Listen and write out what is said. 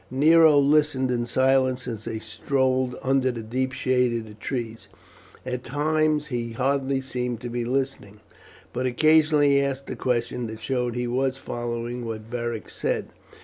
Nero listened in silence as they strolled under the deep shade of the trees. At times he hardly seemed to be listening, but occasionally he asked a question that showed he was following what Beric said.